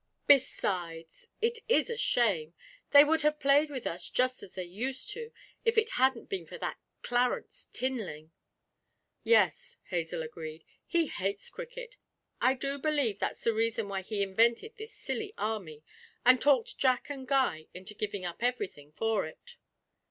'Besides, it is a shame! They would have played with us just as they used to, if it hadn't been for that Clarence Tinling.' 'Yes,' Hazel agreed, 'he hates cricket. I do believe that's the reason why he invented this silly army, and talked Jack and Guy into giving up everything for it.'